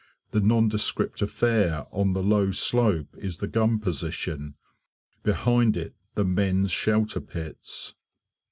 The nondescript affair on the low slope is the gun position, behind it the men's shelter pits.